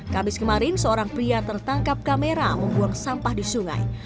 kamis kemarin seorang pria tertangkap kamera membuang sampah di sungai